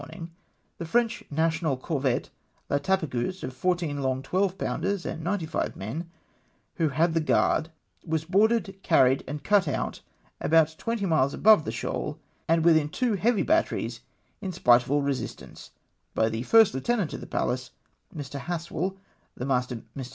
morning the French national corvette, La Tapageuse, of 14 long 12 pounders and 95 men, who had the guard, was boarded, carried, and cut out, about twenty miles above the shoal, and within two heavy batteries, in spite of all re sistance, by the first lieutenant of the Pallas, Mr. Haswell, the master, INIr.